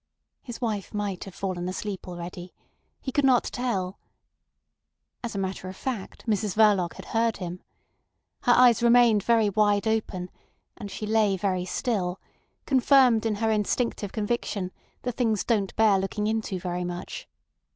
His wife might have fallen asleep already. He could not tell. As a matter of fact, Mrs Verloc had heard him. Her eyes remained very wide open, and she lay very still, confirmed in her instinctive conviction that things don't bear looking into very much.